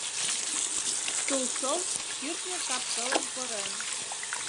...Тулшол кӱртньӧ кап-кылым корен.